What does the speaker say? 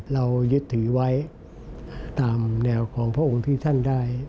เรายึดถือไว้ตามแนวของพระองค์ที่ท่านได้